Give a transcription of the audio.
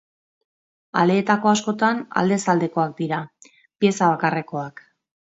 Aleetako askotan, aldez aldekoak dira, pieza bakarrekoak.